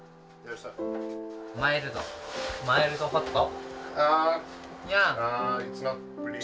マイルドマイルドホット。